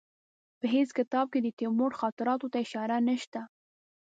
په هېڅ کتاب کې د تیمور خاطراتو ته اشاره نشته.